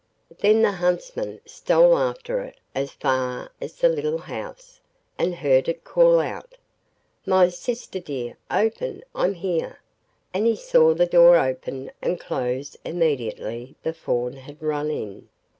Then the huntsman stole after it as far as the little house, and heard it call out, 'My sister dear, open; I'm here,' and he saw the door open and close immediately the fawn had run in.